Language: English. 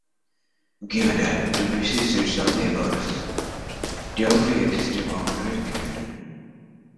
Given that the basis sets are neighbors, there would exist a boundary between them.